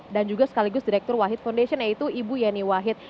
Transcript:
dan juga sekaligus direktur wahid foundation yaitu ibu yeni wahid